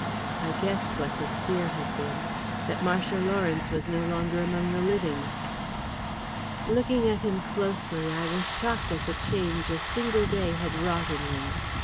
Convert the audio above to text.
I guessed what his fear had been that Marcia Lawrence was no longer among the living. Looking at him closely, I was shocked at the change a single day had wrought in him.